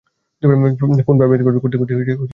Phone vibrate করতেই ঘুম ভেঙে গেল।